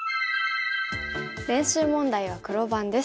練習問題は黒番です。